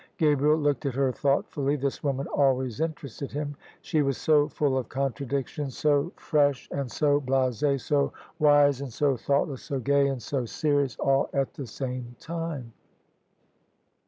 Gabriel looked at her thoughtfully. This woman always interested him, she was so full of contradictions — so fresh [ 144] OF ISABEL CARNABY and so blase, so wise and so thoughtless, so gay and so serious, all at the same time.